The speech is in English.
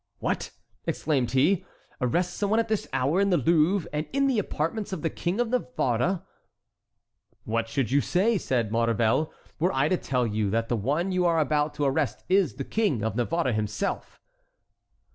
"What!" exclaimed he, "arrest some one at this hour, in the Louvre, and in the apartments of the King of Navarre?" "What should you say," said Maurevel, "were I to tell you that the one you are about to arrest is the King of Navarre himself?"